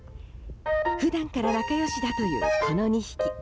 普段から仲良しだというこの２匹。